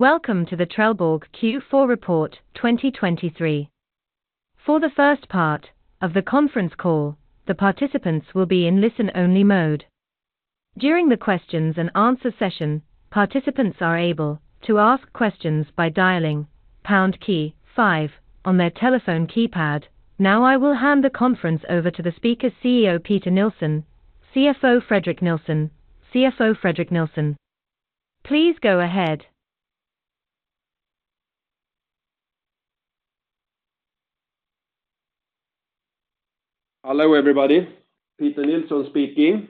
Welcome to the Trelleborg Q4 Report 2023. For the first part of the conference call, the participants will be in listen-only mode. During the questions and answer session, participants are able to ask questions by dialing pound key five on their telephone keypad. Now, I will hand the conference over to the speaker, CEO Peter Nilsson, CFO Fredrik Nilsson. CFO Fredrik Nilsson, please go ahead. Hello, everybody. Peter Nilsson speaking.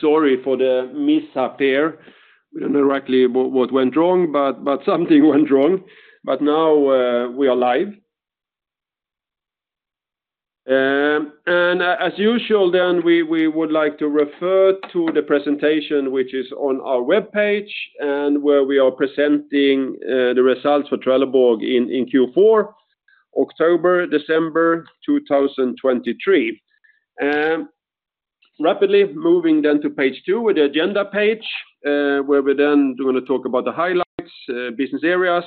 Sorry for the mishap there. We don't know exactly what went wrong, but something went wrong. But now, we are live. And as usual, then we would like to refer to the presentation, which is on our webpage and where we are presenting the results for Trelleborg in Q4, October-December 2023. Rapidly moving then to page two, the agenda page, where we then gonna talk about the highlights, business areas.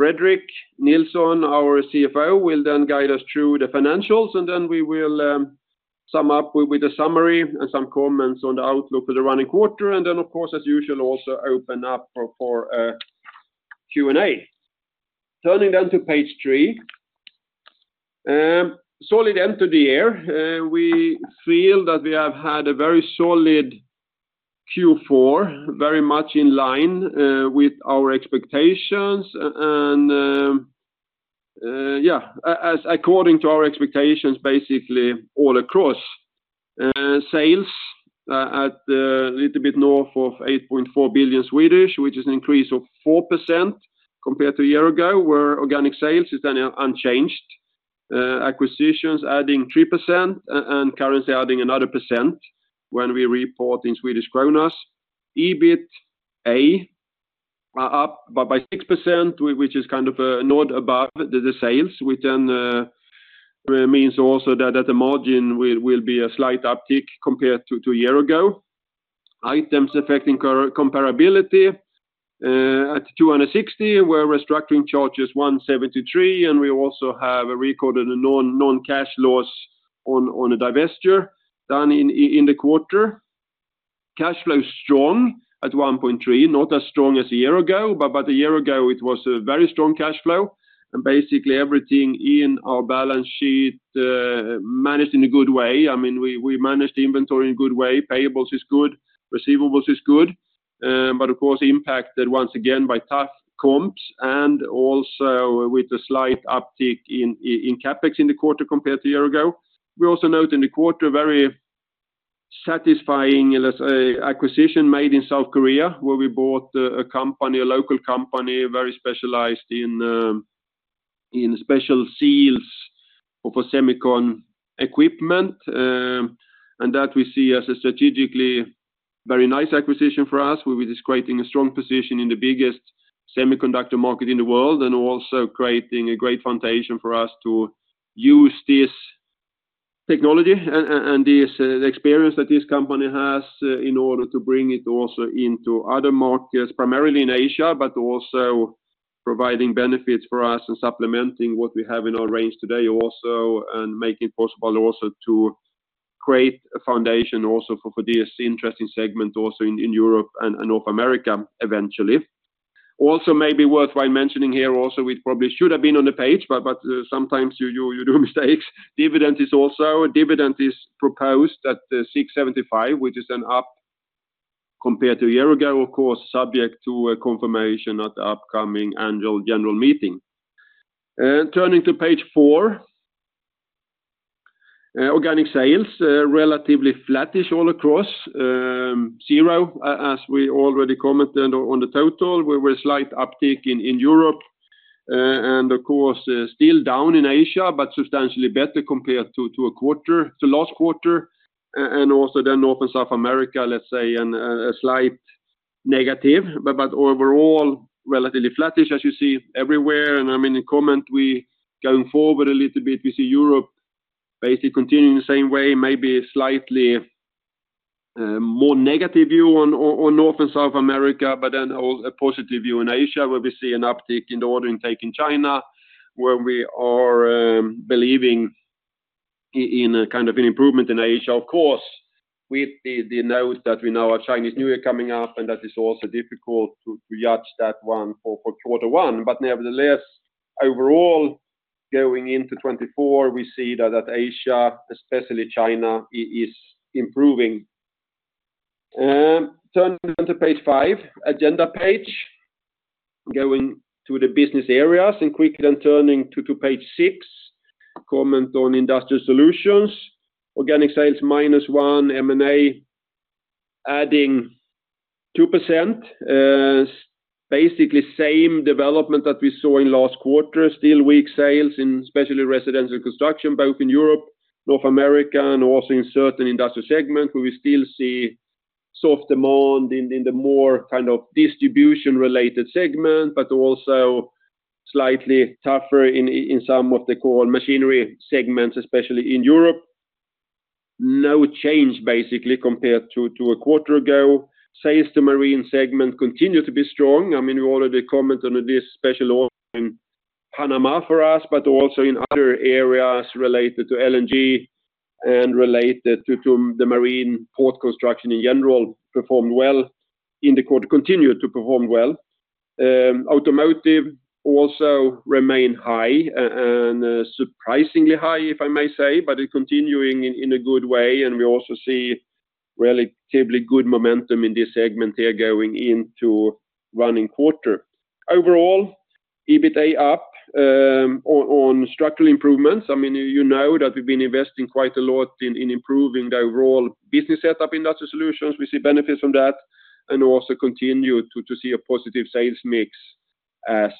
Fredrik Nilsson, our CFO, will then guide us through the financials, and then we will sum up with a summary and some comments on the outlook for the running quarter, and then, of course, as usual, also open up for a Q&A. Turning then to page three, solid end to the year. We feel that we have had a very solid Q4, very much in line with our expectations and, yeah, as according to our expectations, basically all across. Sales at a little bit north of 8.4 billion, which is an increase of 4% compared to a year ago, where organic sales is then unchanged. Acquisitions adding 3% and currency adding another 1% when we report in Swedish krona. EBITA are up by 6%, which is kind of not above the sales, which then means also that the margin will be a slight uptick compared to a year ago. Items affecting comparability at 260, where restructuring charge is 173, and we also have recorded a non-cash loss on a divestiture done in the quarter. Cash flow is strong at 1.3, not as strong as a year ago, but about a year ago, it was a very strong cash flow, and basically everything in our balance sheet managed in a good way. I mean, we managed the inventory in a good way. Payables is good, receivables is good, but of course, impacted once again by tough comps and also with a slight uptick in CapEx in the quarter compared to a year ago. We also note in the quarter a very satisfying, let's say, acquisition made in South Korea, where we bought a company, a local company, very specialized in special seals for semicon equipment. And that we see as a strategically very nice acquisition for us, where we're just creating a strong position in the biggest semiconductor market in the world and also creating a great foundation for us to use this technology and this experience that this company has, in order to bring it also into other markets, primarily in Asia, but also providing benefits for us and supplementing what we have in our range today also, and make it possible also to create a foundation also for this interesting segment also in Europe and North America, eventually. Also, maybe worthwhile mentioning here also, it probably should have been on the page, but sometimes you do mistakes. Dividend is also—dividend is proposed at 6.75, which is an up compared to a year ago, of course, subject to confirmation at the upcoming annual general meeting. Turning to page four. Organic sales, relatively flattish all across. Zero, as we already commented on the total, with a slight uptick in Europe, and of course, still down in Asia, but substantially better compared to last quarter, and also then North and South America, let's say, in a slight negative. But overall, relatively flattish as you see everywhere, and I mean, in comment, we going forward a little bit, we see Europe basically continuing the same way, maybe slightly more negative view on North and South America, but then a positive view in Asia, where we see an uptick in the order intake in China, where we are believing in a kind of an improvement in Asia. Of course, with the note that we know our Chinese New Year coming up, and that is also difficult to judge that one for quarter one. But nevertheless, overall, going into 2024, we see that Asia, especially China, is improving. Turning to page five, agenda page, going to the business areas and quickly then turning to page six. Comment on industrial solutions. Organic sales -1%, M&A adding 2%. Basically, same development that we saw in last quarter. Still weak sales in especially residential construction, both in Europe, North America, and also in certain industrial segments, where we still see soft demand in the more kind of distribution-related segment, but also slightly tougher in some of the core machinery segments, especially in Europe. No change basically compared to a quarter ago. Sales to marine segment continue to be strong. I mean, we already commented on this special offer in Panama for us, but also in other areas related to LNG and related to the marine port construction in general, performed well in the quarter, continued to perform well. Automotive also remained high, and surprisingly high, if I may say, but it continuing in a good way, and we also see relatively good momentum in this segment here going into running quarter. Overall, EBITA up on structural improvements. I mean, you know that we've been investing quite a lot in improving the overall business setup in Industrial Solutions. We see benefits from that, and also continue to see a positive sales mix as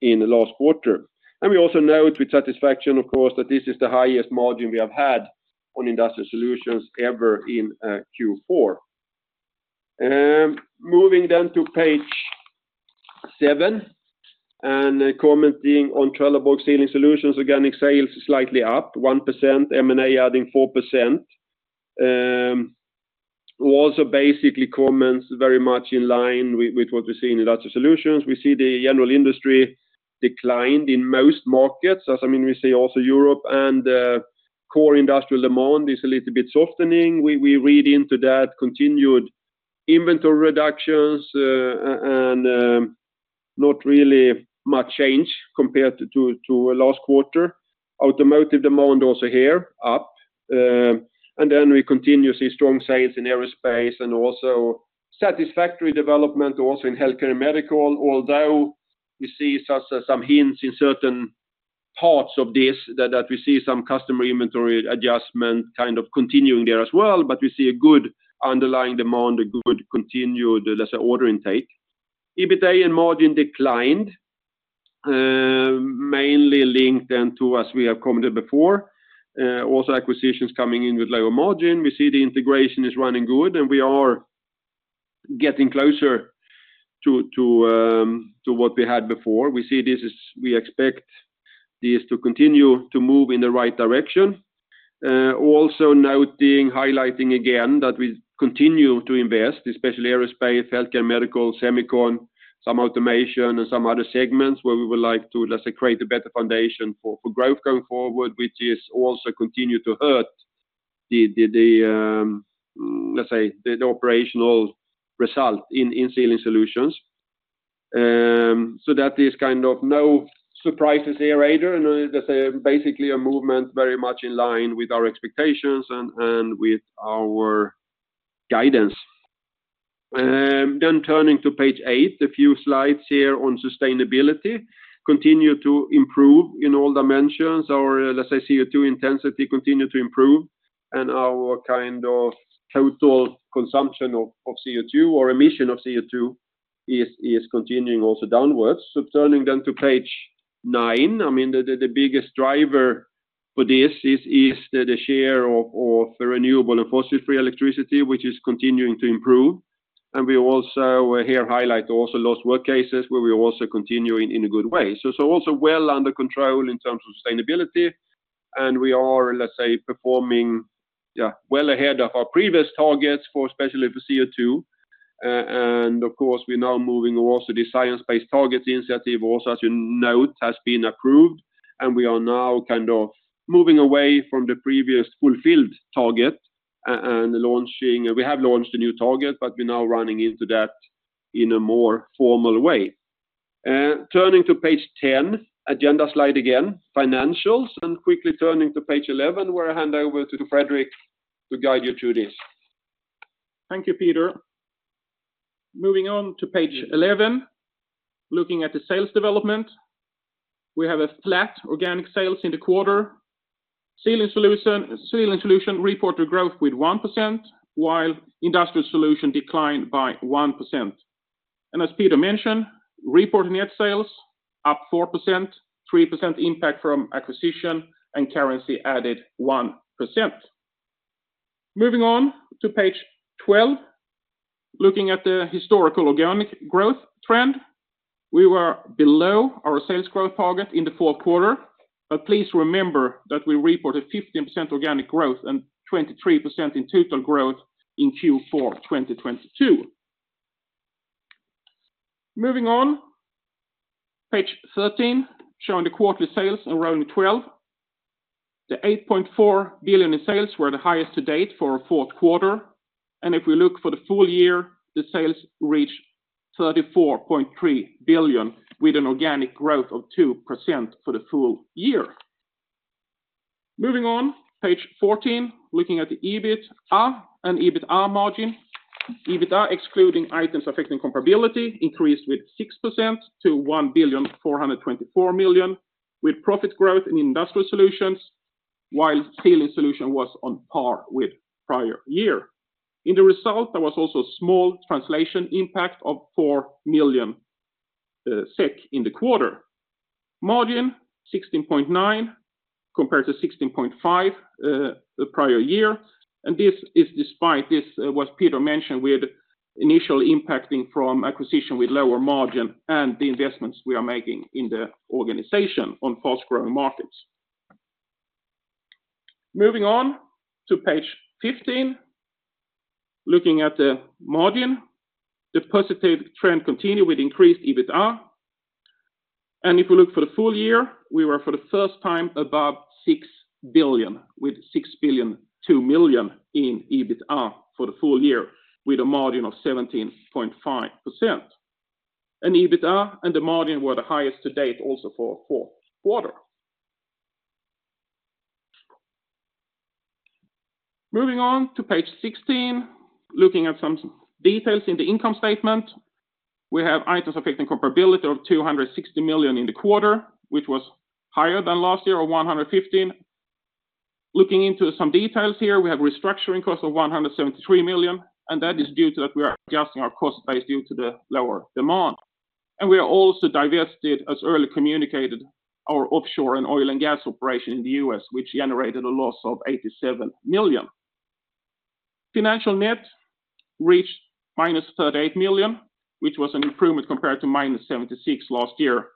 in the last quarter. And we also note with satisfaction, of course, that this is the highest margin we have had on Industrial Solutions ever in Q4. Moving then to page seven, and commenting on Trelleborg Sealing Solutions, organic sales is slightly up 1%, M&A adding 4%. Also basically comments very much in line with what we see in Industrial Solutions. We see the general industry declined in most markets. I mean, we see also Europe and the core industrial demand is a little bit softening. We read into that continued inventory reductions, and not really much change compared to last quarter. Automotive demand also here, up. And then we continuously strong sales in aerospace and also satisfactory development also in healthcare and medical, although we see some hints in certain parts of this, that we see some customer inventory adjustment kind of continuing there as well, but we see a good underlying demand, a good continued, let's say, order intake. EBITA and margin declined, mainly linked then to, as we have commented before, also acquisitions coming in with lower margin. We see the integration is running good, and we are getting closer to what we had before. We see this as we expect this to continue to move in the right direction. Also noting, highlighting again, that we continue to invest, especially aerospace, healthcare and medical, semicon, some automation and some other segments where we would like to, let's say, create a better foundation for growth going forward, which is also continue to hurt the, let's say, the operational result in Sealing Solutions. So that is kind of no surprises here either, and that's basically a movement very much in line with our expectations and with our guidance. Then turning to page eight, a few slides here on sustainability, continue to improve in all dimensions. Our, let's say, CO2 intensity continue to improve, and our kind of total consumption of, of CO2 or emission of CO2 is, is continuing also downwards. So turning then to page nine, I mean, the, the biggest driver for this is, is the share of, of the renewable and fossil-free electricity, which is continuing to improve. And we also here highlight also those work cases where we are also continuing in a good way. So, so also well under control in terms of sustainability, and we are, let's say, performing, yeah, well ahead of our previous targets for, especially for CO2. And of course, we're now moving also the Science-Based Targets initiative, also, as you know, it has been approved, and we are now kind of moving away from the previous fulfilled target and launching... We have launched a new target, but we're now running into that in a more formal way. Turning to page 10, agenda slide again, financials, and quickly turning to page 11, where I hand over to Fredrik to guide you through this. Thank you, Peter. Moving on to page 11, looking at the sales development, we have flat organic sales in the quarter. Sealing Solutions, Sealing Solutions reported growth with 1%, while Industrial Solutions declined by 1%. And as Peter mentioned, reported net sales up 4%, 3% impact from acquisition, and currency added 1%. Moving on to page 12, looking at the historical organic growth trend, we were below our sales growth target in the fourth quarter, but please remember that we reported 15% organic growth and 23% in total growth in Q4 2022. Moving on, page 13, showing the quarterly sales around 12. The 8.4 billion in sales were the highest to date for a fourth quarter. If we look for the full year, the sales reached 34.3 billion, with an organic growth of 2% for the full year. Moving on, page 14, looking at the EBITA and EBITA margin. EBITA, excluding items affecting comparability, increased with 6% to 1,424 million, with profit growth in Industrial Solutions, while Sealing Solutions was on par with prior year. In the result, there was also a small translation impact of 4 million SEK in the quarter. Margin 16.9% compared to 16.5% the prior year, and this is despite this, what Peter mentioned, initially impacting from acquisition with lower margin and the investments we are making in the organization on fast-growing markets. Moving on to page 15, looking at the margin, the positive trend continue with increased EBITA. If you look for the full year, we were for the first time above 6 billion, with 6.002 billion in EBITA for the full year, with a margin of 17.5%. EBITA and the margin were the highest to date also for fourth quarter. Moving on to page 16, looking at some details in the income statement, we have items affecting comparability of 260 million in the quarter, which was higher than last year of 115 million. Looking into some details here, we have restructuring costs of 173 million, and that is due to that we are adjusting our cost base due to the lower demand. We are also divested, as early communicated, our offshore and oil and gas operation in the U.S., which generated a loss of 87 million. Financial net reached -38 million, which was an improvement compared to -76 million last year,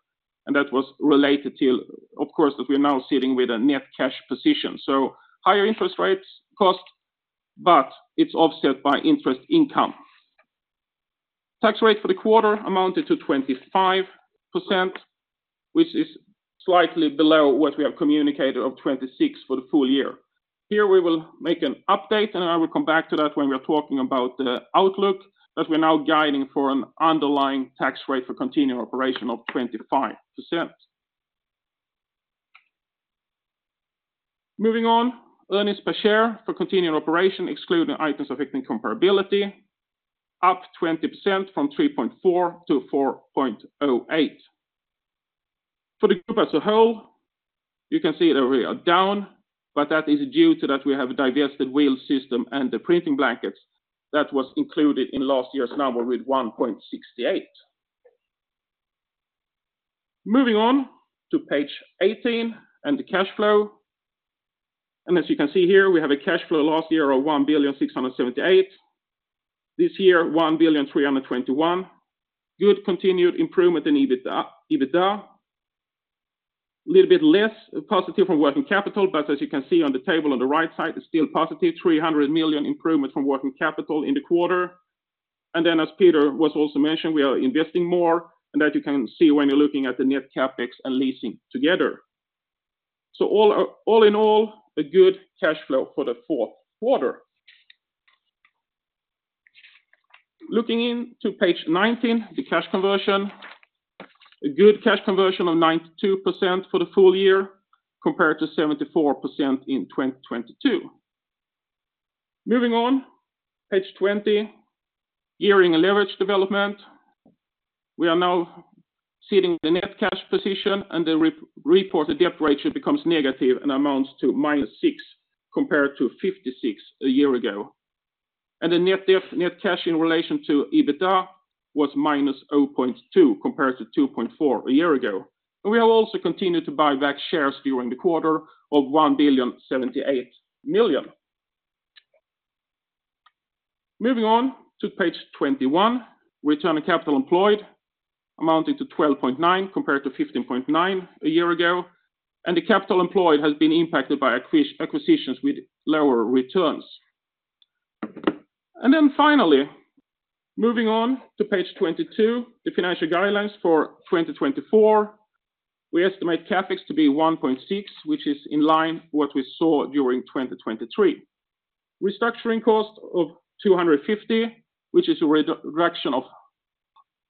and that was related to, of course, that we're now sitting with a net cash position. So higher interest rates cost, but it's offset by interest income. Tax rate for the quarter amounted to 25%, which is slightly below what we have communicated of 26% for the full year. Here, we will make an update, and I will come back to that when we are talking about the outlook, that we're now guiding for an underlying tax rate for continuing operation of 25%. Moving on, earnings per share for continuing operation, excluding items affecting comparability, up 20% from 3.4 to 4.08. For the group as a whole, you can see that we are down, but that is due to that we have divested Wheel System and the printing blankets that was included in last year's number with 1.68 billion. Moving on to page 18 and the cash flow. As you can see here, we have a cash flow last year of 1.678 billion. This year, 1.321 billion. Good continued improvement in EBITA. Little bit less positive from working capital, but as you can see on the table on the right side, it's still positive, 300 million improvement from working capital in the quarter. Then, as Peter was also mentioned, we are investing more, and that you can see when you're looking at the net CapEx and leasing together. So, all in all, a good cash flow for the fourth quarter. Looking into page 19, the cash conversion, a good cash conversion of 92% for the full year, compared to 74% in 2022. Moving on, page 20, gearing and leverage development. We are now sitting the net cash position, and the reported debt ratio becomes negative and amounts to -6, compared to 56 a year ago. The net debt-net cash in relation to EBITA was -0.2, compared to 2.4 a year ago. We have also continued to buy back shares during the quarter of 1,078 million. Moving on to page 21, return on capital employed amounted to 12.9, compared to 15.9 a year ago, and the capital employed has been impacted by acquisitions with lower returns. Finally, moving on to page 22, the financial guidelines for 2024, we estimate CapEx to be 1.6 billion, which is in line with what we saw during 2023. Restructuring cost of 250 million, which is a reduction of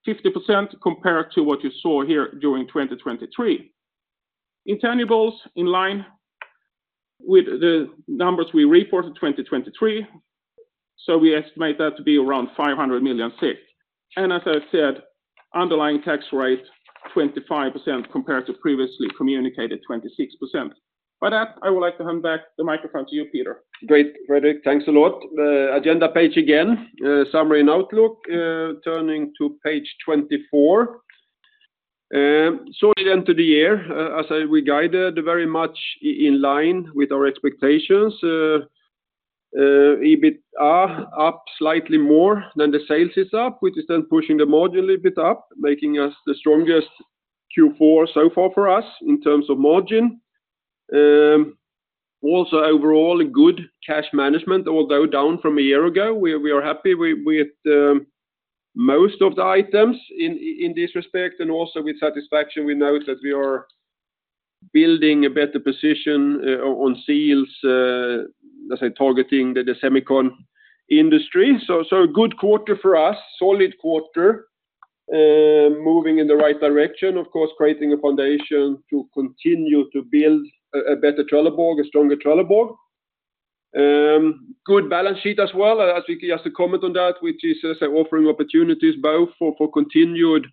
50% compared to what you saw here during 2023. Intangibles in line with the numbers we reported 2023, so we estimate that to be around 500 million. And as I said, underlying tax rate 25%, compared to previously communicated 26%. With that, I would like to hand back the microphone to you, Peter. Great, Fredrik. Thanks a lot. The agenda page again, summary and outlook, turning to page 24. So end to the year, as we guided very much in line with our expectations, EBITA up slightly more than the sales is up, which is then pushing the margin a little bit up, making us the strongest Q4 so far for us in terms of margin. Also, overall, a good cash management, although down from a year ago. We are happy with most of the items in this respect, and also with satisfaction, we note that we are building a better position on seals, as I'm targeting the semicon industry. So a good quarter for us, solid quarter, moving in the right direction, of course, creating a foundation to continue to build a better Trelleborg, a stronger Trelleborg. Good balance sheet as well, as we just to comment on that, which is, as I say, offering opportunities both for continued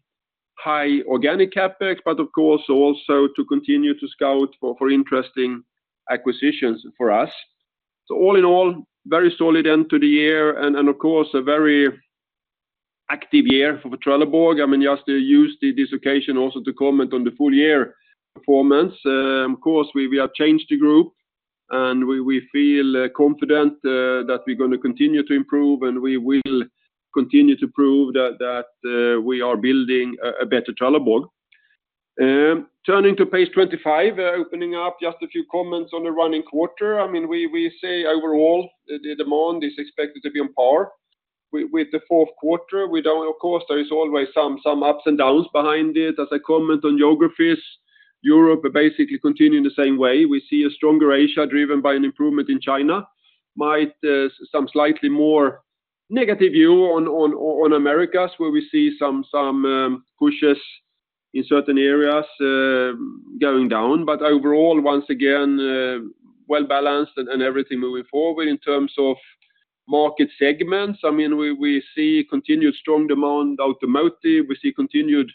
high organic CapEx, but of course, also to continue to scout for interesting acquisitions for us. So all in all, very solid end to the year, and of course, a very active year for Trelleborg. I mean, just to use this occasion also to comment on the full year performance, of course, we have changed the group, and we feel confident that we're gonna continue to improve, and we will continue to prove that we are building a better Trelleborg. Turning to page 25, opening up just a few comments on the running quarter. I mean, we say overall, the demand is expected to be on par with the fourth quarter. Of course, there is always some ups and downs behind it. As I comment on geographies, Europe is basically continuing the same way. We see a stronger Asia, driven by an improvement in China. Might some slightly more negative view on Americas, where we see some pushes in certain areas going down, but overall, once again, well-balanced and everything moving forward. In terms of market segments, I mean, we see continued strong demand automotive. We see continued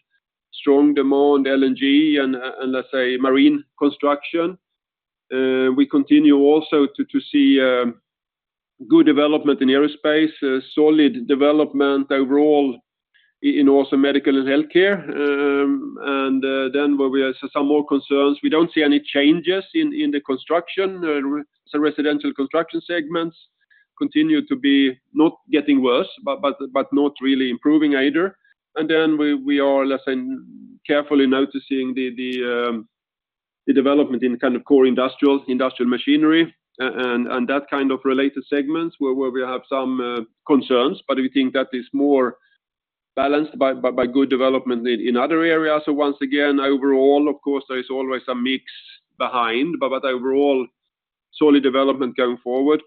strong demand LNG, and let's say marine construction. We continue also to see good development in aerospace, solid development overall in also medical and healthcare. And then where we have some more concerns, we don't see any changes in the construction. So residential construction segments continue to be not getting worse, but not really improving either. And then we are, let's say, carefully noticing the development in kind of core industrials, industrial machinery, and that kind of related segments, where we have some concerns, but we think that is more balanced by good development in other areas. So once again, overall, of course, there is always a mix behind, but overall, solid development going forward.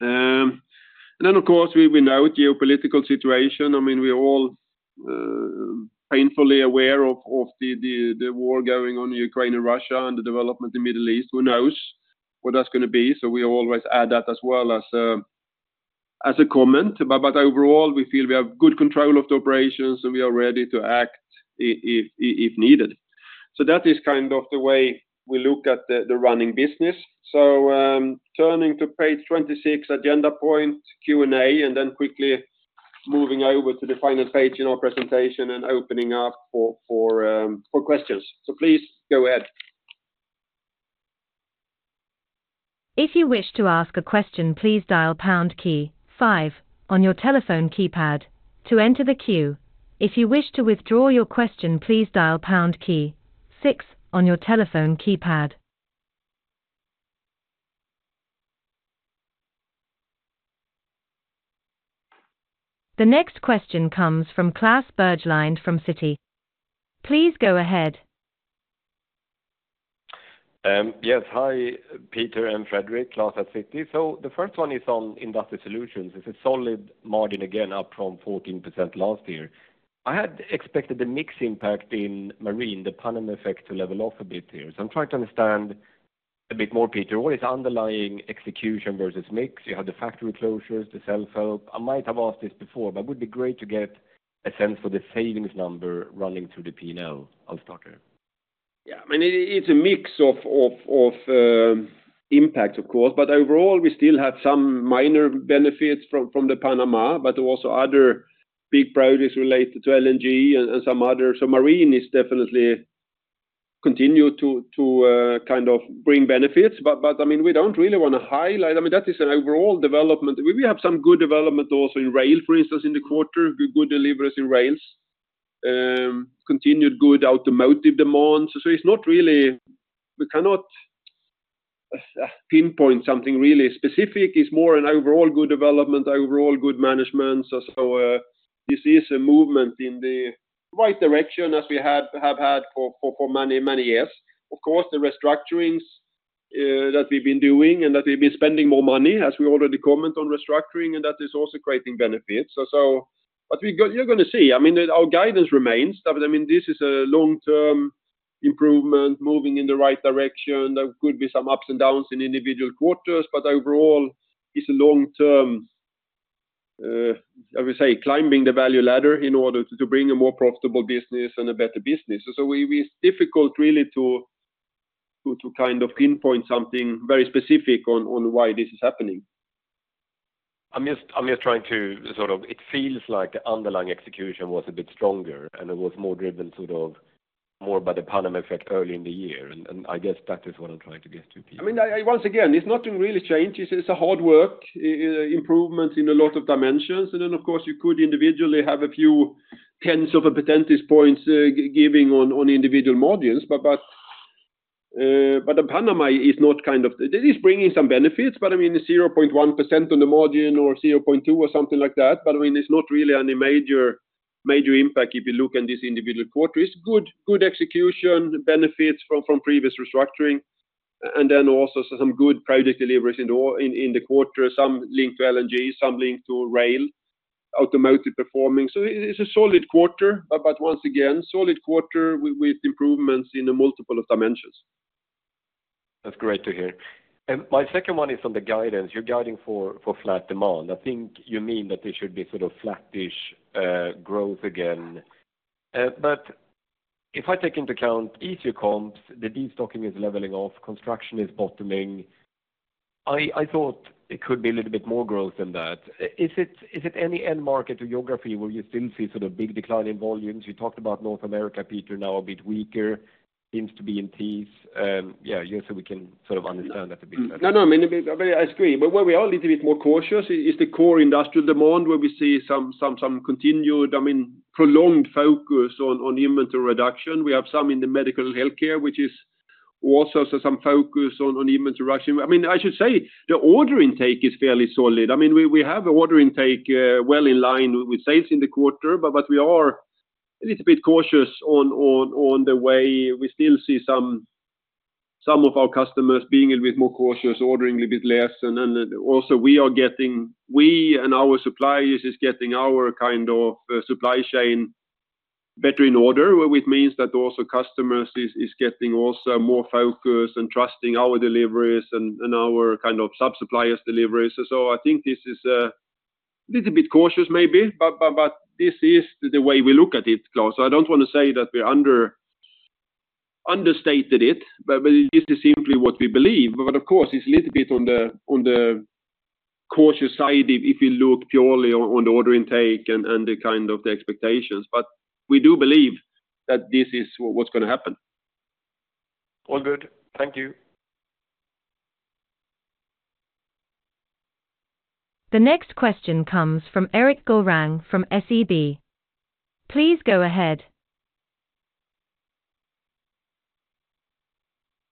And then, of course, we know geopolitical situation. I mean, we're all painfully aware of the war going on in Ukraine and Russia, and the development in the Middle East, who knows what that's gonna be? So we always add that as well as a comment. But overall, we feel we have good control of the operations, and we are ready to act if needed. So that is kind of the way we look at the running business. So, turning to page 26, agenda point, Q&A, and then quickly moving over to the final page in our presentation and opening up for questions. So please, go ahead. If you wish to ask a question, please dial pound key five on your telephone keypad to enter the queue. If you wish to withdraw your question, please dial pound key six on your telephone keypad. The next question comes from Klas Bergelind from Citi. Please go ahead. Yes. Hi, Peter and Fredrik, Klas at Citi. So the first one is on Industry Solutions. It's a solid margin, again, up from 14% last year. I had expected the mix impact in marine, the Panama effect, to level off a bit here. So I'm trying to understand a bit more, Peter, what is underlying execution versus mix? You have the factory closures, the self-help. I might have asked this before, but it would be great to get a sense for the savings number running through the P&L. I'll start there. Yeah, I mean, it's a mix of impacts, of course, but overall, we still have some minor benefits from the Panama, but also other big projects related to LNG and some others. So marine is definitely continue to kind of bring benefits, but, I mean, we don't really want to highlight... I mean, that is an overall development. We have some good development also in rail, for instance, in the quarter, good deliveries in rails, continued good automotive demand. So it's not really- we cannot pinpoint something really specific. It's more an overall good development, overall good management. So this is a movement in the right direction as we have had for many years. Of course, the restructurings that we've been doing and that we've been spending more money, as we already comment on restructuring, and that is also creating benefits. So, but you're gonna see, I mean, our guidance remains. I mean, this is a long-term improvement, moving in the right direction. There could be some ups and downs in individual quarters, but overall, it's a long-term, I would say, climbing the value ladder in order to bring a more profitable business and a better business. So we... It's difficult really to kind of pinpoint something very specific on why this is happening. I'm just trying to sort of... It feels like the underlying execution was a bit stronger, and it was more driven sort of more by the Panama effect early in the year, and I guess that is what I'm trying to get to, Peter. I mean, once again, it's nothing really changed. It's a hard work improvement in a lot of dimensions. And then, of course, you could individually have a few tens of percentage points giving on individual margins, but the Panama is not—it is bringing some benefits, but I mean, it's 0.1% on the margin or 0.2% or something like that. But I mean, it's not really any major, major impact if you look at this individual quarter. It's good execution, benefits from previous restructuring, and then also some good project deliveries in the quarter, some linked to LNG, some linked to rail, automotive performing. So it's a solid quarter, but once again, a solid quarter with improvements in a multiple of dimensions. That's great to hear. And my second one is on the guidance. You're guiding for flat demand. I think you mean that it should be sort of flattish growth again. But if I take into account easier comps, the destocking is leveling off, construction is bottoming.... I thought it could be a little bit more growth than that. Is it any end market or geography where you still see sort of big decline in volumes? You talked about North America, Peter, now a bit weaker, seems to be in peace. Yeah, just so we can sort of understand that a bit better. No, no, I mean, I agree. But where we are a little bit more cautious is the core industrial demand, where we see some continued, I mean, prolonged focus on inventory reduction. We have some in the medical and healthcare, which is also some focus on inventory reduction. I mean, I should say the order intake is fairly solid. I mean, we have a order intake, well in line with sales in the quarter, but we are a little bit cautious on the way. We still see some of our customers being a bit more cautious, ordering a little bit less, and then also we are getting—we and our suppliers is getting our kind of supply chain better in order, which means that also customers is getting also more focused and trusting our deliveries and our kind of sub-suppliers deliveries. So I think this is a little bit cautious maybe, but, but this is the way we look at it, Klas. I don't want to say that we understated it, but, but this is simply what we believe. But of course, it's a little bit on the cautious side, if you look purely on the order intake and the kind of the expectations. But we do believe that this is what's going to happen. All good. Thank you. The next question comes from Erik Golrang from SEB. Please go ahead.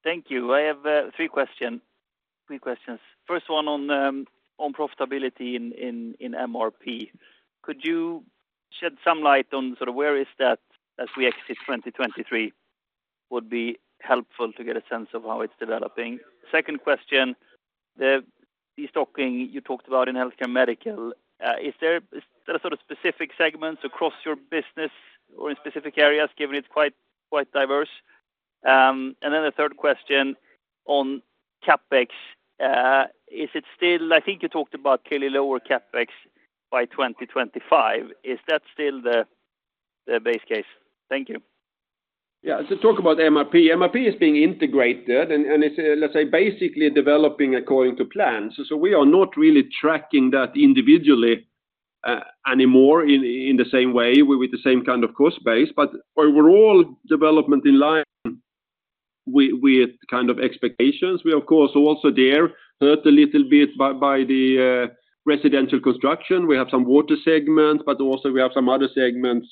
Thank you. I have three questions. First one on profitability in MRP. Could you shed some light on sort of where is that as we exit 2023? Would be helpful to get a sense of how it's developing. Second question, the destocking you talked about in healthcare medical, is there are there sort of specific segments across your business or in specific areas, given it's quite, quite diverse? And then the third question on CapEx, is it still, I think you talked about clearly lower CapEx by 2025. Is that still the base case? Thank you. Yeah. To talk about MRP, MRP is being integrated and it's, let's say, basically developing according to plan. So we are not really tracking that individually anymore in the same way with the same kind of cost base, but overall development in line with kind of expectations. We, of course, also there hurt a little bit by the residential construction. We have some water segment, but also we have some other segments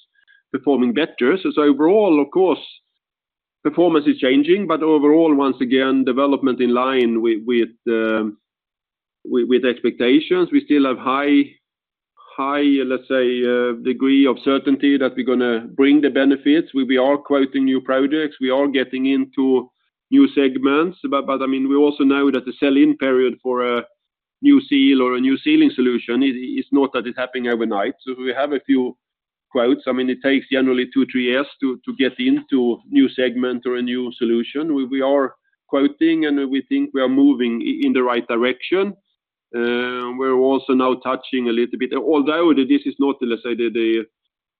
performing better. So overall, of course, performance is changing, but overall, once again, development in line with expectations. We still have high, let's say, degree of certainty that we're going to bring the benefits. We, we are quoting new projects, we are getting into new segments, but, but I mean, we also know that the sell-in period for a new seal or a new sealing solution is, is not that it's happening overnight. So we have a few quotes. I mean, it takes generally two-three years to, to get into a new segment or a new solution. We, we are quoting, and we think we are moving in the right direction. We're also now touching a little bit... Although this is not, let's say, the, the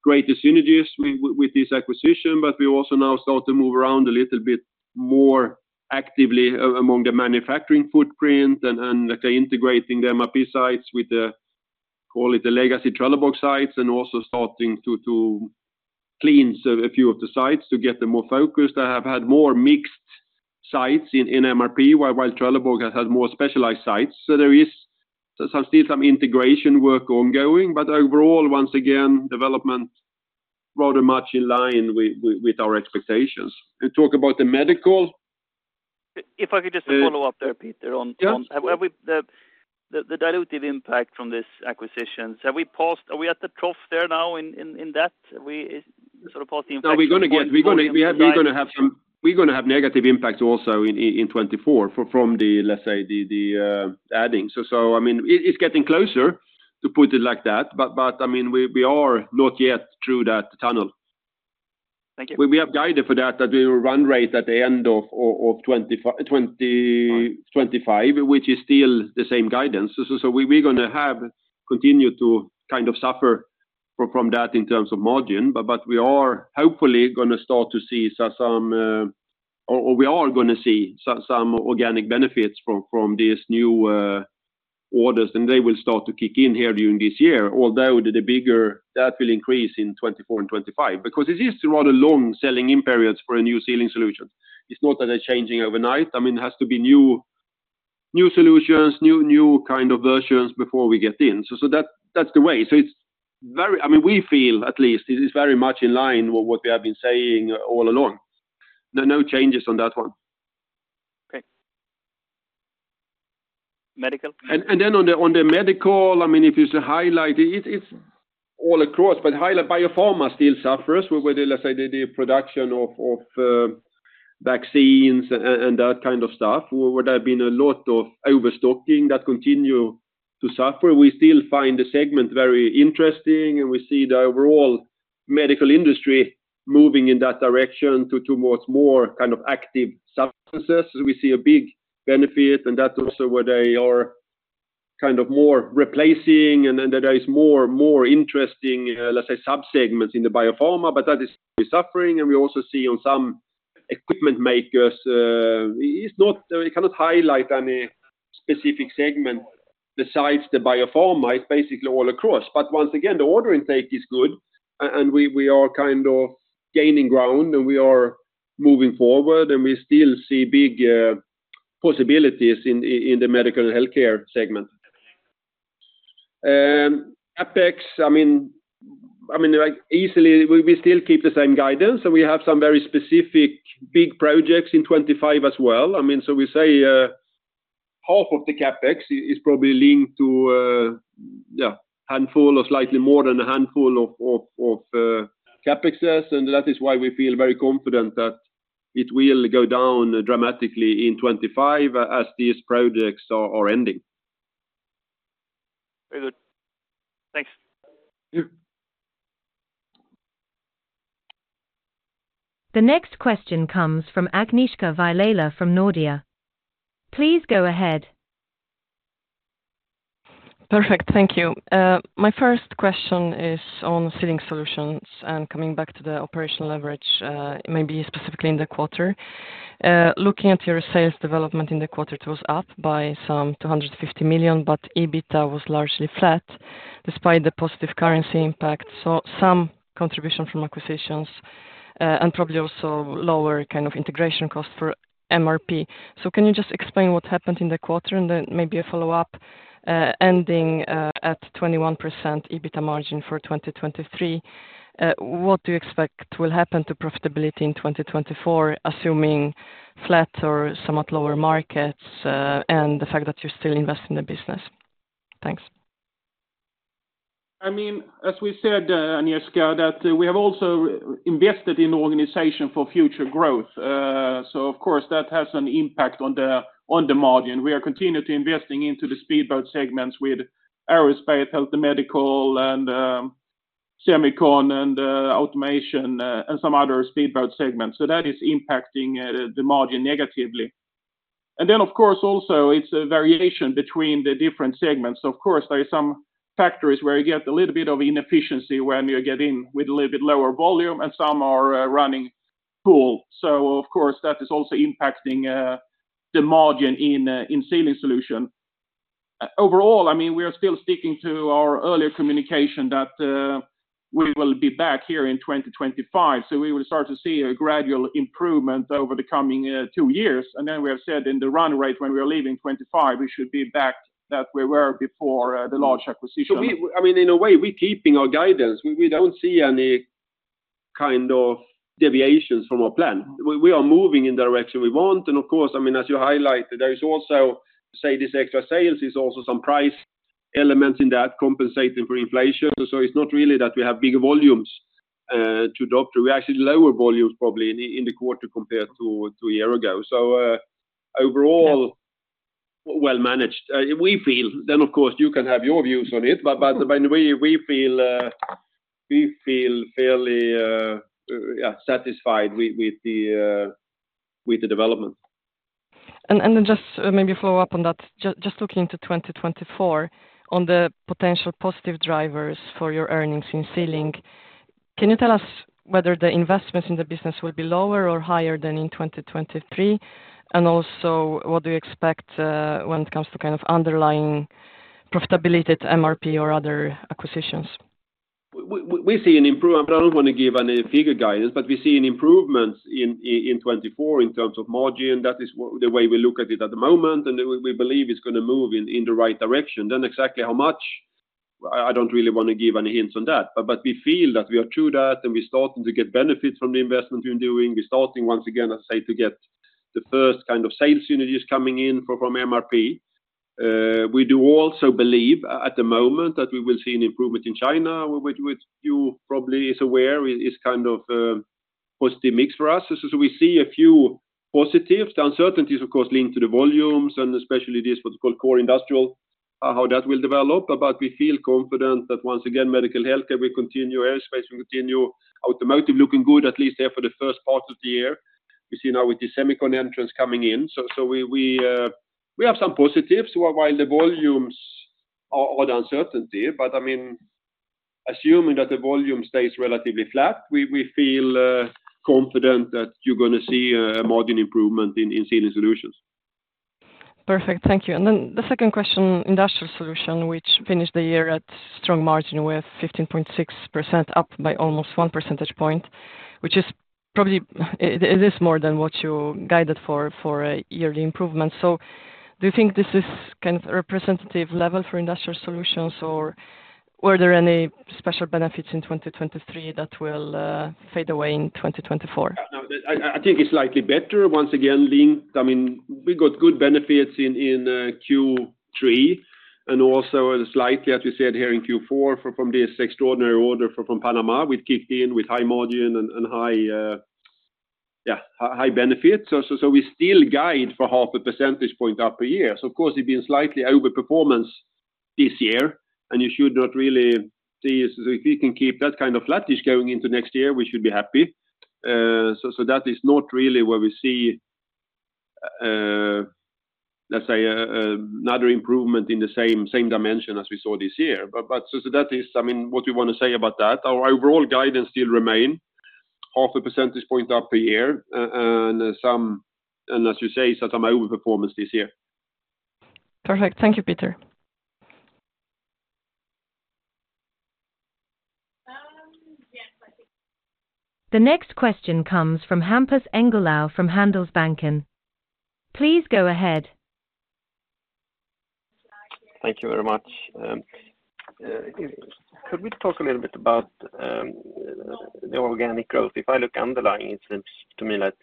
greatest synergies with, with this acquisition, but we also now start to move around a little bit more actively among the manufacturing footprint and, and integrating the MRP sites with the, call it the legacy Trelleborg sites, and also starting to, to clean a few of the sites to get them more focused. I have had more mixed sites in MRP, while Trelleborg has had more specialized sites. So there is still some integration work ongoing, but overall, once again, development rather much in line with our expectations. To talk about the medical? If I could just follow up there, Peter, on- Yeah. Have we, the dilutive impact from this acquisition, have we passed—are we at the trough there now in that? We sort of passed the inflection point- We're going to have some negative impact also in 2024 from the, let's say, adding. So I mean, it's getting closer, to put it like that, but I mean, we are not yet through that tunnel. Thank you. We have guided for that we will run rate at the end of twenty... Five. 25, which is still the same guidance. So we're going to have continue to kind of suffer from that in terms of margin, but we are hopefully going to start to see some, or we are going to see some organic benefits from these new orders, and they will start to kick in here during this year, although the bigger that will increase in 2024 and 2025, because it is a rather long selling in periods for a new sealing solution. It's not that they're changing overnight. I mean, it has to be new solutions, new kind of versions before we get in. So that's the way. So it's very—I mean, we feel, at least, it is very much in line with what we have been saying all along. There are no changes on that one. Okay. Medical? And then on the medical, I mean, if you highlight it, it's all across, but highlight biopharma still suffers, where the, let's say, the production of vaccines and that kind of stuff, where there have been a lot of overstocking that continue to suffer. We still find the segment very interesting, and we see the overall medical industry moving in that direction towards more kind of active substances. We see a big benefit, and that's also where they are kind of more replacing, and then there is more interesting, let's say, sub-segments in the biopharma, but that is suffering, and we also see on some equipment makers, it's not we cannot highlight any specific segment besides the biopharma. It's basically all across. But once again, the order intake is good, and we, we are kind of gaining ground, and we are moving forward, and we still see big possibilities in the medical and healthcare segment. CapEx, I mean, I mean, like, easily, we, we still keep the same guidance, so we have some very specific big projects in 2025 as well. I mean, so we say, half of the CapEx is probably linked to, yeah, handful or slightly more than a handful of CapExes, and that is why we feel very confident that it will go down dramatically in 2025 as these projects are ending. Very good. Thanks. Sure. The next question comes from Agnieszka Vilela from Nordea. Please go ahead. Perfect. Thank you. My first question is on Sealing Solutions and coming back to the operational leverage, maybe specifically in the quarter. Looking at your sales development in the quarter, it was up by some 250 million, but EBITA was largely flat, despite the positive currency impact. So some contribution from acquisitions, and probably also lower kind of integration cost for MRP. So can you just explain what happened in the quarter? And then maybe a follow-up, ending at 21% EBITA margin for 2023, what do you expect will happen to profitability in 2024, assuming flat or somewhat lower markets, and the fact that you still invest in the business? Thanks. I mean, as we said, Agnieszka, that we have also invested in organization for future growth. So of course, that has an impact on the margin. We are continuing to investing into the speedboat segments with aerospace, health and medical, and semicon, and automation, and some other speedboat segments. So that is impacting the margin negatively. And then, of course, also, it's a variation between the different segments. Of course, there is some factories where you get a little bit of inefficiency when you're getting with a little bit lower volume, and some are running full. So of course, that is also impacting the margin in Sealing Solutions. Overall, I mean, we are still sticking to our earlier communication that, we will be back here in 2025, so we will start to see a gradual improvement over the coming, two years. And then we have said in the run rate, when we are leaving 2025, we should be back that we were before, the large acquisition. So we, I mean, in a way, we keeping our guidance. We, we don't see any kind of deviations from our plan. We, we are moving in the direction we want, and of course, I mean, as you highlighted, there is also, say, this extra sales is also some price elements in that compensating for inflation. So it's not really that we have bigger volumes, to drop. We actually lower volumes, probably, in the quarter compared to a year ago. So, overall, well managed. We feel, then, of course, you can have your views on it, but by the way, we feel fairly satisfied with the development. And then just maybe follow up on that. Just, just looking into 2024, on the potential positive drivers for your earnings in Sealing, can you tell us whether the investments in the business will be lower or higher than in 2023? And also, what do you expect when it comes to kind of underlying profitability to MRP or other acquisitions? We see an improvement. I don't want to give any figure guidance, but we see an improvement in 2024 in terms of margin. That is the way we look at it at the moment, and we believe it's gonna move in the right direction. Then exactly how much? I don't really want to give any hints on that, but we feel that we are true to that, and we're starting to get benefits from the investment we're doing. We're starting once again, let's say, to get the first kind of sales synergies coming in from MRP. We do also believe, at the moment, that we will see an improvement in China, which you probably is aware, is kind of positive mix for us. So we see a few positives. The uncertainties, of course, linked to the volumes, and especially this what's called core industrial, how that will develop, but we feel confident that once again, medical healthcare will continue, aerospace will continue, automotive looking good, at least there for the first part of the year. We see now with the semicon entrants coming in. So, so we, we, we have some positives, while, while the volumes are the uncertainty, but, I mean, assuming that the volume stays relatively flat, we, we feel, confident that you're gonna see a margin improvement in, in Sealing Solutions. Perfect. Thank you. And then the second question, Industrial Solutions, which finished the year at strong margin with 15.6%, up by almost one percentage point, which is probably, it, it is more than what you guided for, for a yearly improvement. So do you think this is kind of a representative level for Industrial Solutions, or were there any special benefits in 2023 that will, fade away in 2024? No, I think it's slightly better once again, linked... I mean, we got good benefits in, in, Q3 and also slightly, as you said here in Q4, from, from this extraordinary order from, from Panama, which kicked in with high margin and, and high, yeah, high benefits. So, so, so we still guide for half a percentage point up a year. So of course, it been slightly over performance this year, and you should not really see if we can keep that kind of flattish going into next year, we should be happy.... So, so that is not really where we see, let's say, a, another improvement in the same, same dimension as we saw this year. But, but so, so that is, I mean, what we want to say about that. Our overall guidance still remain 0.5 percentage point up a year, and as you say, some overperformance this year. Perfect. Thank you, Peter. Yes, I think- The next question comes from Hampus Engellau from Handelsbanken. Please go ahead. Thank you very much. Could we talk a little bit about the organic growth? If I look underlying, it seems to me like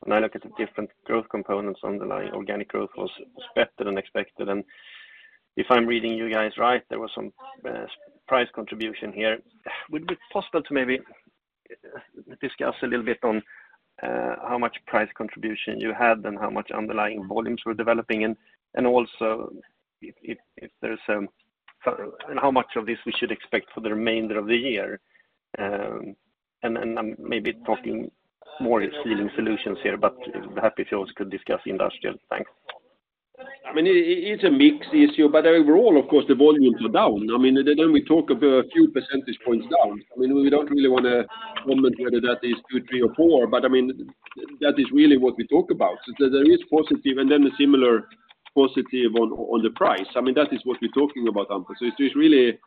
when I look at the different growth components underlying organic growth was better than expected, and if I'm reading you guys right, there was some price contribution here. Would it be possible to maybe discuss a little bit on how much price contribution you had and how much underlying volumes were developing? And how much of this we should expect for the remainder of the year? And I'm maybe talking more in Sealing Solutions here, but happy if you also could discuss industrial. Thanks. I mean, it's a mixed issue, but overall, of course, the volumes are down. I mean, then we talk about a few percentage points down. I mean, we don't really wanna comment whether that is two, three, or four, but I mean, that is really what we talk about. So there is positive and then a similar positive on the price. I mean, that is what we're talking about, Hampus. So it's really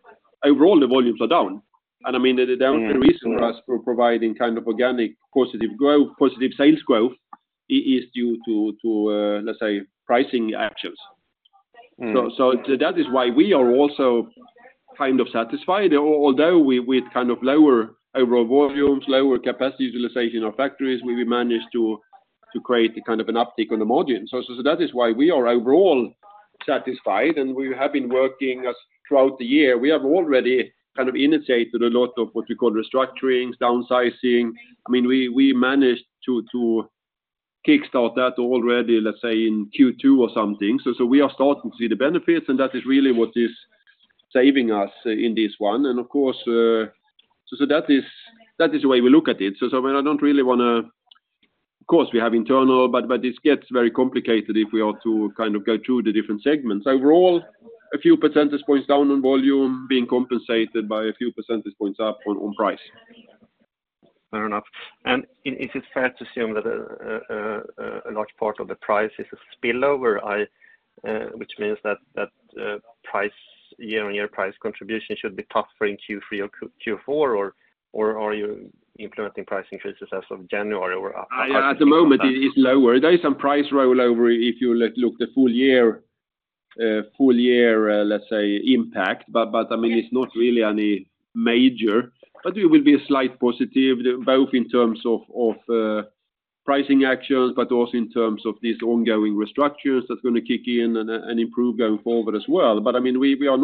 overall the volumes are down, and I mean, the only reason for us for providing kind of organic positive growth, positive sales growth is due to, let's say, pricing actions. Mm. So, so that is why we are also kind of satisfied, although we, we kind of lower overall volumes, lower capacity utilization of factories, we managed to, to create a kind of an uptick on the margin. So, so that is why we are overall satisfied, and we have been working throughout the year. We have already kind of initiated a lot of what you call restructurings, downsizing. I mean, we, we managed to, to kickstart that already, let's say, in Q2 or something. So, so we are starting to see the benefits, and that is really what is saving us in this one. And of course, so, so that is, that is the way we look at it. So, so I don't really wanna, of course, we have internal, but, but this gets very complicated if we are to kind of go through the different segments. Overall, a few percentage points down on volume being compensated by a few percentage points up on price. Fair enough. And is it fair to assume that a large part of the price is a spillover, which means that price year-on-year price contribution should be tougher in Q3 or Q4, or are you implementing price increases as of January or- At the moment, it is lower. There is some price roll over if you look the full year, full year, let's say, impact, but, but I mean, it's not really any major, but it will be a slight positive, both in terms of, of, pricing actions, but also in terms of these ongoing restructures that's gonna kick in and, and improve going forward as well. But I mean, we, we are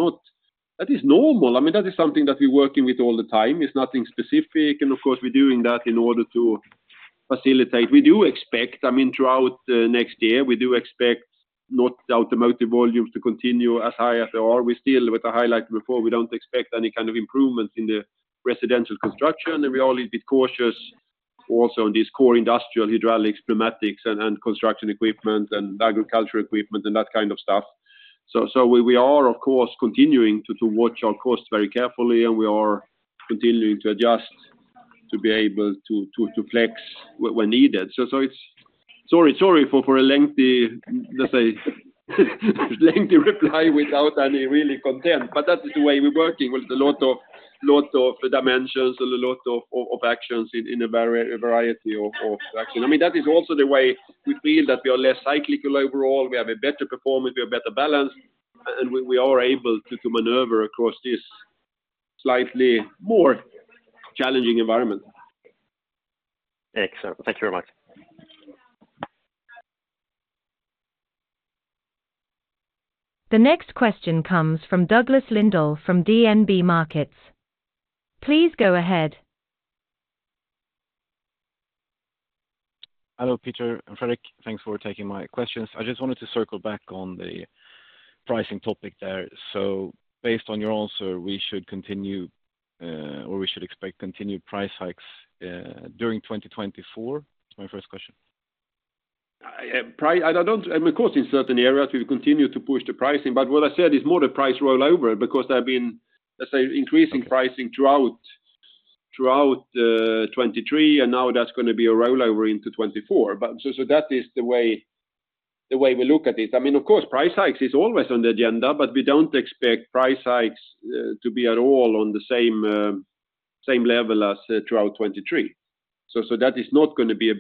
not... That is normal. I mean, that is something that we're working with all the time. It's nothing specific, and of course, we're doing that in order to facilitate. We do expect, I mean, throughout next year, we do expect not the automotive volumes to continue as high as they are. We still, with the highlight before, we don't expect any kind of improvements in the residential construction, and we are a little bit cautious also in this core industrial hydraulics, pneumatics, and construction equipment and agricultural equipment and that kind of stuff. So we are, of course, continuing to watch our costs very carefully, and we are continuing to adjust to be able to flex when needed. So it's. Sorry for a lengthy, let's say, lengthy reply without any really content, but that is the way we're working, with a lot of dimensions and a lot of actions in a variety of action. I mean, that is also the way we feel that we are less cyclical overall, we have a better performance, we have better balance, and we are able to maneuver across this slightly more challenging environment. Excellent. Thank you very much. The next question comes from Douglas Lindahl from DNB Markets. Please go ahead. Hello, Peter and Fredrik. Thanks for taking my questions. I just wanted to circle back on the pricing topic there. So based on your answer, we should continue, or we should expect continued price hikes, during 2024? That's my first question. On price, I don't. Of course, in certain areas, we continue to push the pricing, but what I said is more the price rollover, because I've been, let's say, increasing pricing throughout 2023, and now that's gonna be a rollover into 2024. But so, that is the way we look at it. I mean, of course, price hikes is always on the agenda, but we don't expect price hikes to be at all on the same level as throughout 2023. So, that is not gonna be a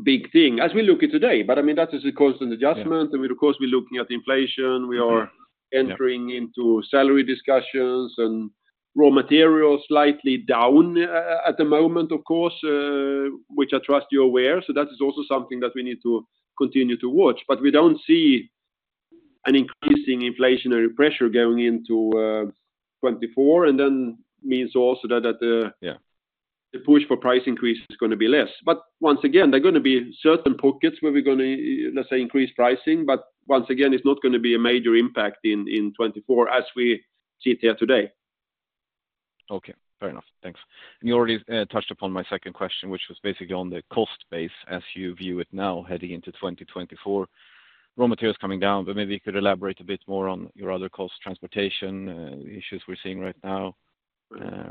big thing as we look at today. But I mean, that is a constant adjustment, and of course, we're looking at inflation. Mm-hmm. We are entering into salary discussions, and raw materials slightly down at the moment, of course, which I trust you're aware. So that is also something that we need to continue to watch, but we don't see an increasing inflationary pressure going into 2024, and then means also that the- Yeah... the push for price increase is gonna be less. But once again, there are gonna be certain pockets where we're gonna, let's say, increase pricing, but once again, it's not gonna be a major impact in 2024 as we're sitting here today. Okay, fair enough. Thanks. You already touched upon my second question, which was basically on the cost base as you view it now, heading into 2024. Raw materials coming down, but maybe you could elaborate a bit more on your other cost, transportation, issues we're seeing right now.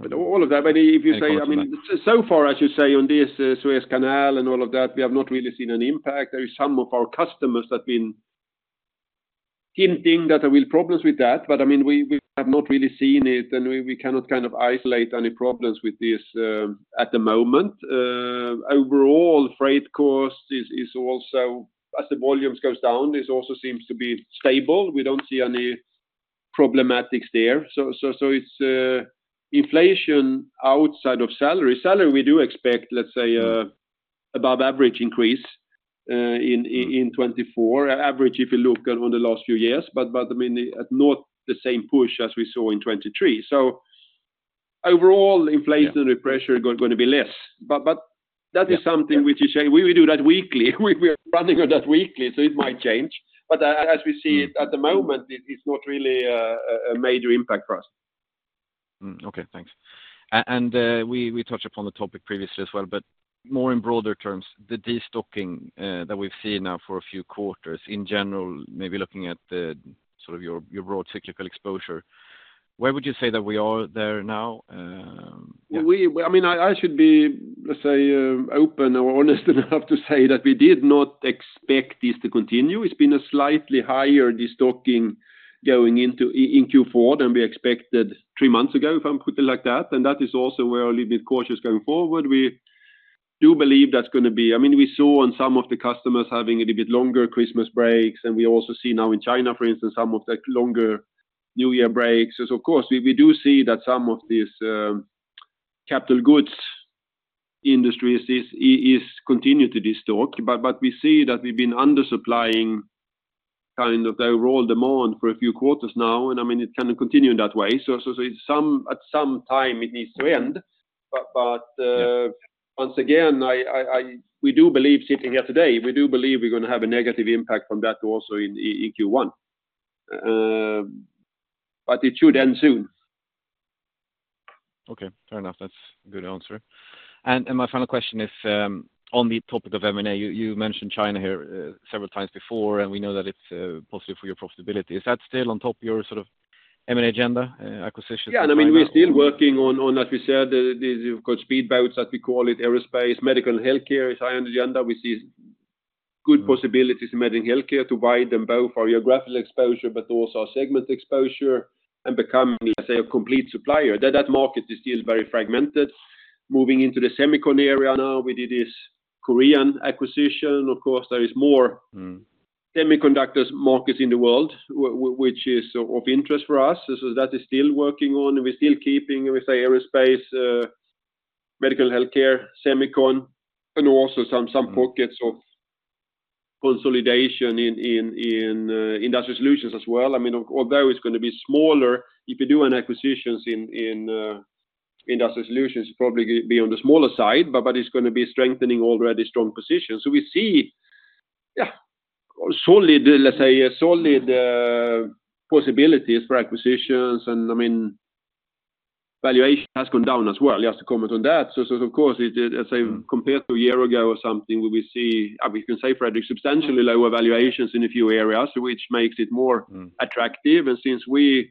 But all of that, but if you say- And costumer... I mean, so far, as you say, on this, Suez Canal and all of that, we have not really seen an impact. There is some of our customers that have been hinting that there will problems with that, but, I mean, we, we have not really seen it, and we, we cannot kind of isolate any problems with this, at the moment. Overall, freight cost is also, as the volumes goes down, this also seems to be stable. We don't see any problematics there. So it's inflation outside of salary. Salary, we do expect, let's say, Mm... above average increase in 2024. Average, if you look at on the last few years, but I mean, at not the same push as we saw in 2023. So overall- Yeah... inflationary pressure is going to be less. But that is something- Yeah... which I say, we do that weekly. We are running on that weekly, so it might change. But as we see it- Mm... at the moment, it's not really a major impact for us. Okay, thanks. And we touched upon the topic previously as well, but more in broader terms, the destocking that we've seen now for a few quarters. In general, maybe looking at the sort of your broad cyclical exposure, where would you say that we are there now? Yeah. I mean, I should be, let's say, open or honest enough to say that we did not expect this to continue. It's been a slightly higher destocking going into in Q4 than we expected three months ago, if I put it like that, and that is also where a little bit cautious going forward. We do believe that's gonna be... I mean, we saw on some of the customers having a little bit longer Christmas breaks, and we also see now in China, for instance, some of the longer New Year breaks. So of course, we do see that some of these capital goods industries is continue to destock, but we see that we've been under supplying, kind of, the overall demand for a few quarters now, and I mean, it can continue that way. So, it's at some time it needs to end. But, Yeah... once again, we do believe sitting here today, we do believe we're gonna have a negative impact from that also in Q1. But it should end soon. Okay, fair enough. That's a good answer. And my final question is, on the topic of M&A, you mentioned China here, several times before, and we know that it's positive for your profitability. Is that still on top of your sort of M&A agenda, acquisitions in China or? Yeah, and, I mean, we're still working on, as we said, of course, speed boats, as we call it, aerospace, medical and healthcare is high on the agenda. We see good possibilities- Mm... in medical and healthcare to buy them both for geographical exposure, but also our segment exposure, and become, let's say, a complete supplier. That, that market is still very fragmented. Moving into the semicon area now, we did this Korean acquisition. Of course, there is more- Mm... semiconductors markets in the world, which is of interest for us. So that is still working on, and we're still keeping, we say, aerospace, medical and healthcare, semicon, and also some- Mm... some pockets of consolidation in industrial solutions as well. I mean, although it's gonna be smaller, if you do an acquisitions in industrial solutions, it's probably gonna be on the smaller side, but it's gonna be strengthening already strong position. So we see, yeah, solid, let's say, solid possibilities for acquisitions. And, I mean, valuation has gone down as well. You have to comment on that. So, so of course, it, as I say, compared to a year ago or something, we see, we can say Fredrik, substantially lower valuations in a few areas, which makes it more- Mm... attractive. And since we,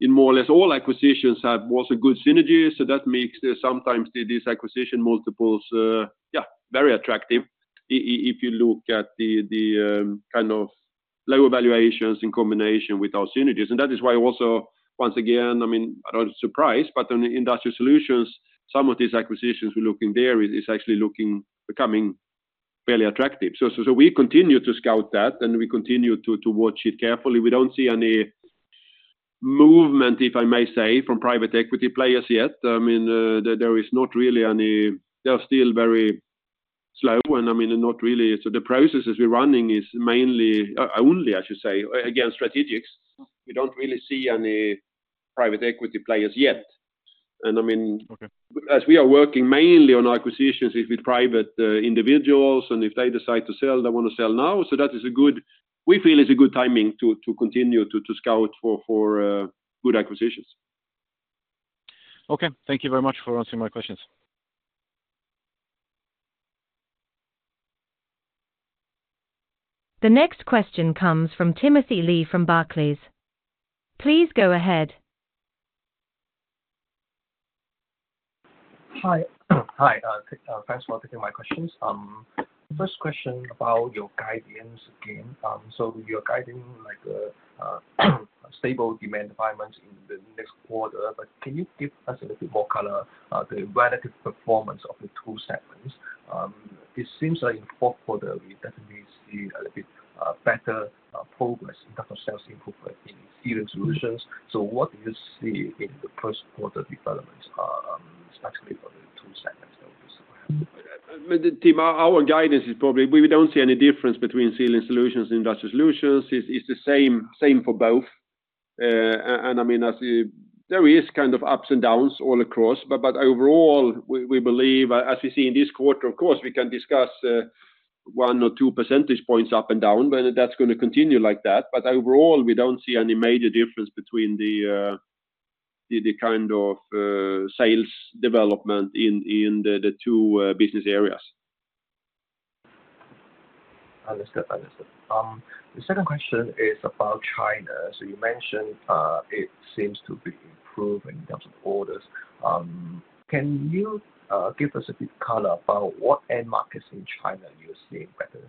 in more or less all acquisitions, have also a good synergy, so that makes the sometimes these acquisition multiples, very attractive. If you look at the kind of lower valuations in combination with our synergies. And that is why also, once again, I mean, I'm not surprised, but on the industrial solutions, some of these acquisitions we're looking there is actually looking, becoming fairly attractive. So we continue to scout that, and we continue to watch it carefully. We don't see any movement, if I may say, from private equity players yet. I mean, there is not really any. They are still very slow, and, I mean, not really. So the processes we're running is mainly, only, I should say, again, strategics. We don't really see any private equity players yet. And, I mean- Okay... as we are working mainly on acquisitions with private individuals, and if they decide to sell, they want to sell now, so that, we feel, is a good timing to continue to scout for good acquisitions. Okay. Thank you very much for answering my questions. The next question comes from Timothy Lee from Barclays. Please go ahead. Hi. Hi, thanks for taking my questions. First question about your guidance again. So you're guiding like a stable demand environment in the next quarter, but can you give us a little bit more color on the relative performance of the two segments? It seems like in fourth quarter, we definitely see a little bit better progress in terms of sales improvement in Sealing Solutions. So what do you see in the first quarter developments, especially for the two segments that we saw? Tim, our guidance is probably... We don't see any difference between Sealing Solutions and Industrial Solutions. It's the same for both. And I mean, there is kind of ups and downs all across, but overall, we believe, as we see in this quarter, of course, we can discuss one or two percentage points up and down, but that's gonna continue like that. But overall, we don't see any major difference between the kind of sales development in the two business areas. Understood. Understood. The second question is about China. So you mentioned, it seems to be improving in terms of orders. Can you give us a bit color about what end markets in China you're seeing better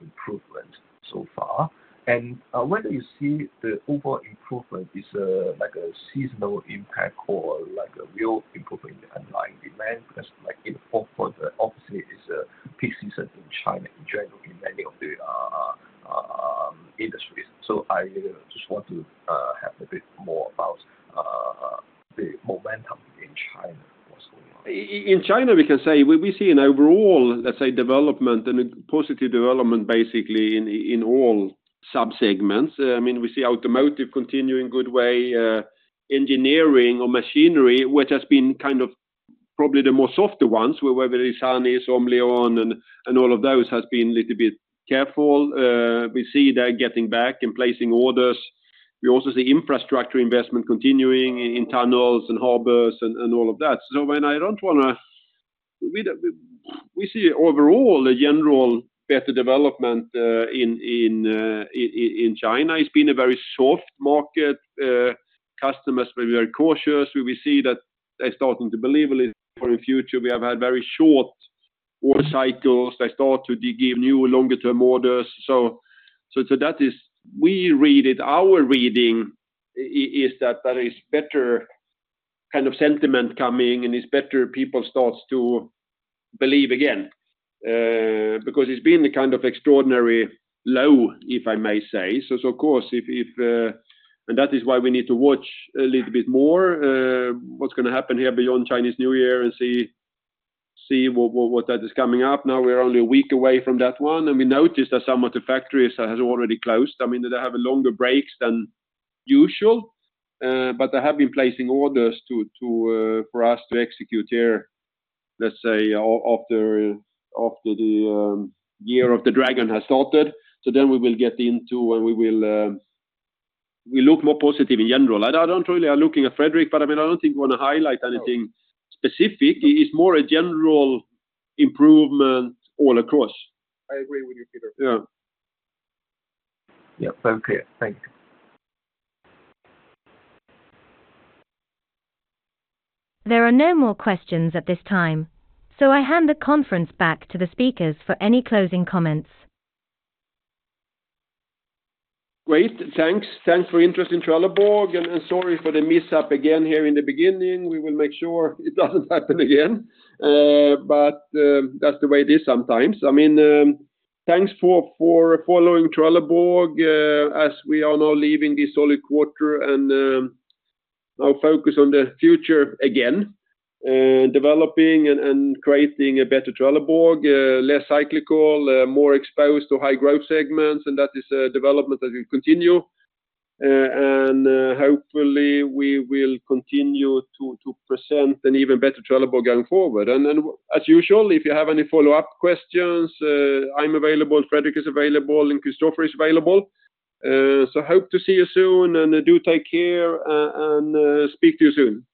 improvement so far? And whether you see the overall improvement is like a seasonal impact or like a real improvement in the underlying demand? Because like in fourth quarter, obviously, it's a peak season in China, in general, in many of the industries. So I just want to have a bit more about the momentum in China, what's going on. In China, we can say we see an overall, let's say, development and a positive development basically in all subsegments. I mean, we see automotive continuing good way, engineering or machinery, which has been kind of probably the more softer ones, whether it's Sany, Zoomlion, and all of those, has been a little bit careful. We see they're getting back and placing orders. We also see infrastructure investment continuing in tunnels and harbors and all of that. We see overall a general better development in China. It's been a very soft market. Customers were very cautious. We will see that they're starting to believe a little more in future. We have had very short order cycles. They start to give new longer-term orders. So that is, we read it, our reading is that there is better kind of sentiment coming, and it's better people starts to believe again. Because it's been a kind of extraordinary low, if I may say. So of course, if... And that is why we need to watch a little bit more, what's gonna happen here beyond Chinese New Year and see what that is coming up. Now, we're only a week away from that one, and we noticed that some of the factories has already closed. I mean, they have longer breaks than usual, but they have been placing orders to for us to execute here, let's say, after the Year of the Dragon has started. So then we will get into, and we will, we look more positive in general. I don't really are looking at Fredrik, but, I mean, I don't think we want to highlight anything specific. It is more a general improvement all across. I agree with you, Peter. Yeah. Yeah, very clear. Thanks. There are no more questions at this time, so I hand the conference back to the speakers for any closing comments. Great. Thanks. Thanks for interest in Trelleborg, and sorry for the mishap again here in the beginning. We will make sure it doesn't happen again, but that's the way it is sometimes. I mean, thanks for following Trelleborg, as we are now leaving this solid quarter and now focus on the future again, developing and creating a better Trelleborg, less cyclical, more exposed to high growth segments, and that is a development that will continue. And hopefully, we will continue to present an even better Trelleborg going forward. And then, as usual, if you have any follow-up questions, I'm available, Fredrik is available, and Christofer is available. So hope to see you soon, and do take care, and speak to you soon.